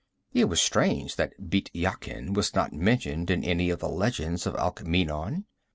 It was strange that Bît Yakin was not mentioned in any of the legends of Alkmeenon.